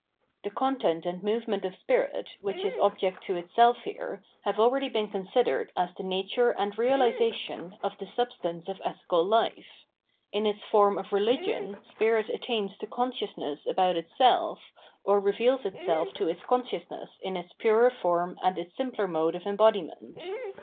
The content and movement of spirit, which is object to itself here, have been already considered as the nature and reahsation of the substance of ethical hfe. In its form of rehgion spirit attains to consciousness about itself, or reveals itself to its consciousness in its purer form and its simpler mode of embodiment.